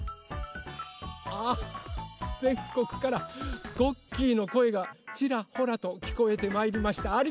あぜんこくからごっきーのこえがちらほらときこえてまいりました。